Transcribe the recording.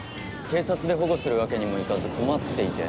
警察で保護するわけにもいかず困っていて。